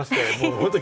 本当に？